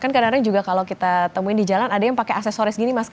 kan kadang kadang juga kalau kita temuin di jalan ada yang pakai aksesoris gini mas